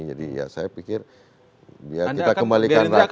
jadi ya saya pikir biar kita kembalikan rakyat